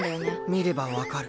見ればわかる。